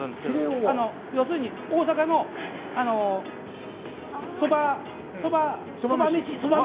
要するに大阪の、そば飯。